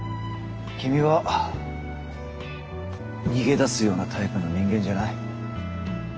君は逃げ出すようなタイプの人間じゃない。